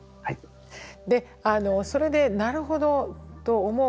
であのそれで「なるほど」と思うか。